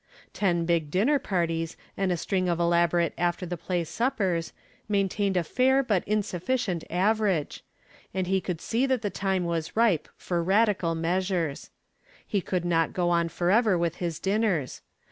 Ten big dinner parties and a string of elaborate after the play suppers maintained a fair but insufficient average, and he could see that the time was ripe for radical measures. He could not go on forever with his dinners.